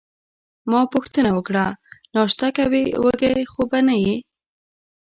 ما پوښتنه وکړه: ناشته کوې، وږې خو به نه یې؟